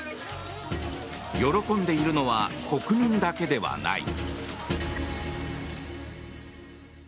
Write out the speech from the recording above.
喜んでいるのは国民だけではない。